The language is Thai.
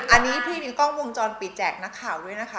อันนี้พี่มีกล้องวงจรปิดแจกนักข่าวด้วยนะคะ